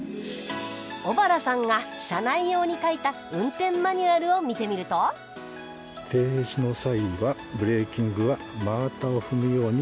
小原さんが社内用に書いた運転マニュアルを見てみると「停止の際はブレーキングは真綿を踏むように」。